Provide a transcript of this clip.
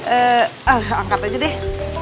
eh ah angkat aja deh